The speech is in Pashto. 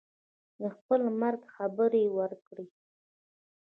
د خپل مرګ خبر یې ورکړی.